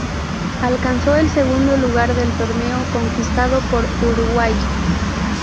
Alcanzó el segundo lugar del torneo, conquistado por Uruguay.